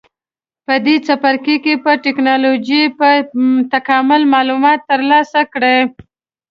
په دې څپرکي کې به د ټېکنالوجۍ په تکامل معلومات ترلاسه کړئ.